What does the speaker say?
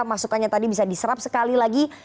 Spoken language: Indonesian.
masukannya tadi bisa diserap sekali lagi